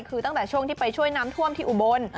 คือตั้งแต่ช่วงที่ไปช่วยน้ำท่วมที่อุบล